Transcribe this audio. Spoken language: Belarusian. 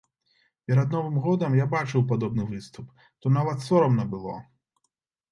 Перад новым годам я бачыў падобны выступ, то нават сорамна было.